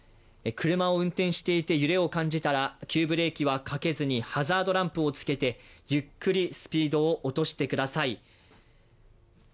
車を運転していて揺れを感じたら急ブレーキはかけずにハザードランプをつけて、ゆっくりスピードを落としてください。